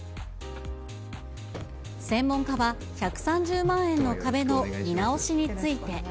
専門家は１３０万円の壁の見直し